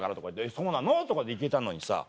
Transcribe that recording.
「そうなの？」とかで行けたのにさ。